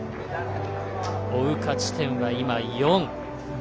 追う勝ち点は４。